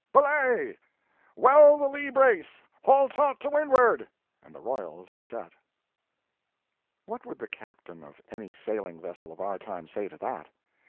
belay! Well the lee brace; haul taut to windward!" and the royals are set. What would the captain of any sailing vessel of our time say to that?